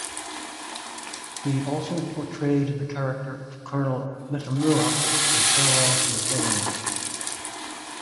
He also portrayed the character of Colonel Mitamura in "Farewell to the King".